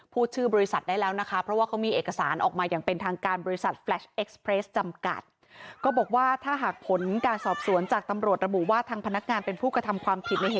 พูดชื่อบริษัทได้แล้วนะคะ